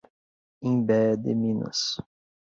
Imbé de Minas